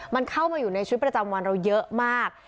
มันเข้ามาอยู่ในชีวิตประจำวันเราเยอะมาก